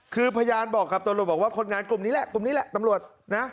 คือพยานบอกตัวรวจว่าคนงานกลุ่มนี้แหละตำรวจ